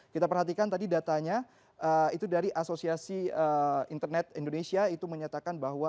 kita perhatikan tadi datanya itu dari asosiasi internet indonesia itu menyatakan bahwa